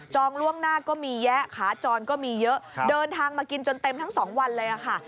ล่วงหน้าก็มีแยะขาจรก็มีเยอะเดินทางมากินจนเต็มทั้ง๒วันเลยค่ะ